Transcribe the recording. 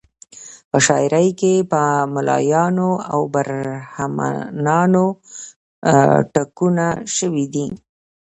په شاعري کې په ملایانو او برهمنانو ټکونه شوي دي.